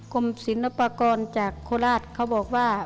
กรมศิลปากรจากโคราชเขาบอกว่า